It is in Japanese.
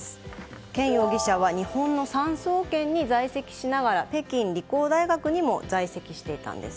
ケン容疑者は日本の産総研に在籍しながら北京理工大学にも在籍していたんです。